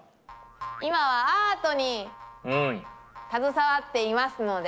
今はアートに携わっていますので。